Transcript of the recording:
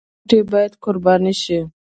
شخصي ګټې باید قرباني شي